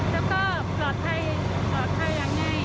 แล้วก็ปลอดภัยอย่างไง